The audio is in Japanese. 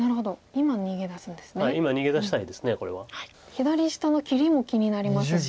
左下の切りも気になりますし。